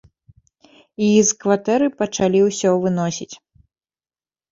І з кватэры пачалі ўсё выносіць.